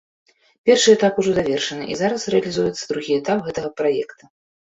Першы этап ужо завершаны, і зараз рэалізуецца другі этап гэтага праекта.